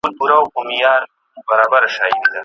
ته خپل قاتل ته ګرېوان څنګه څیرې؟